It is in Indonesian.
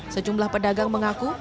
sejumlah pedagang mengaku